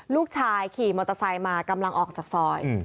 ลูกชายขี่มอเตอร์ไซค์มากำลังออกจากซอย